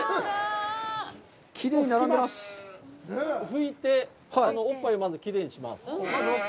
拭いて、おっぱいをまずきれいにします。